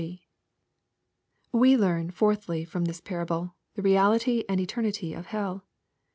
We learn, fourthly, from this parable, the reality and eternity of hell.